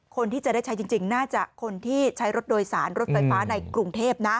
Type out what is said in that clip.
คนที่จะได้ใช้จริงน่าจะคนที่ใช้รถโดยสารรถไฟฟ้าในกรุงเทพนะ